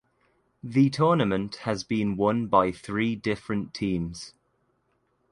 The tournament has been won by three different teams.